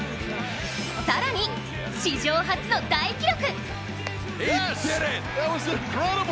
更に史上初の大記録！